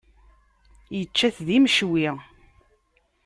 Yečča-t d imecwi.